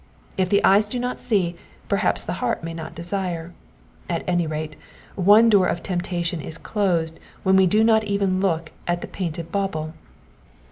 If the eyes do not see, perhaps the heart may not desire : at any rate, one door of temptation is closed when we do not even look at the piainted bauble.